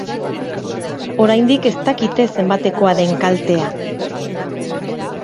Oraindik ez dakite zenbatekoa den kaltea.